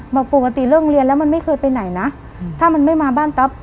บอกปกติเริ่มเรียนแล้วมันไม่เคยไปไหนนะอืมถ้ามันไม่มาบ้านตั๊บ